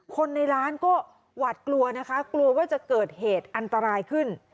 คนในร้านก็หวาดกลัวนะคะกลัวว่าจะเกิดเหตุอันตรายขึ้น